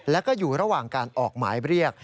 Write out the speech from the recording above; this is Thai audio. แล้วก็อยู่ระหว่างการออกหมายเรียก